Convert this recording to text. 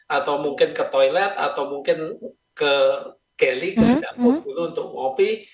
atau mungkin ke toilet atau mungkin ke galley ke dampur dulu untuk mopi